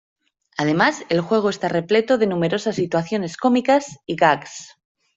Además, el juego está repleto de numerosas situaciones cómicas y gags.